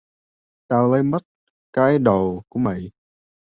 tao lấy mất cái đầu của mày